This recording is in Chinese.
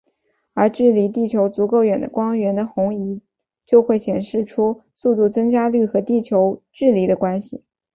而距离地球足够远的光源的红移就会显示出速度增加率和地球距离的关系。